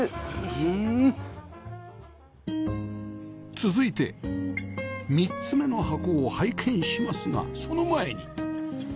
続いて３つ目の箱を拝見しますがその前に